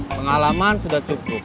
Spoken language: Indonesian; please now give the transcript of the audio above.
pengalaman sudah cukup